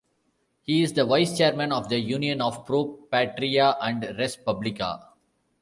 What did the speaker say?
He is the Vice-Chairman of the Union of Pro Patria and Res Publica.